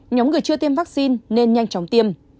nhóm người chưa tiêm vaccine nên nhanh chóng tiêm